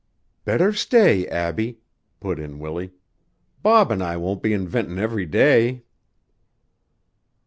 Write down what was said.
"Better stay, Abbie," put in Willie. "Bob an' I won't be inventin' every day."